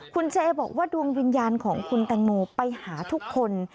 คุณเจบอกว่าดวงวิญญาณของคุณแตงโมไปหาทุกคน